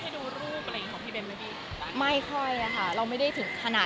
ต้องมีที่ให้ดูรูปอะไรของพี่เดมไม่ได้หรือเปล่า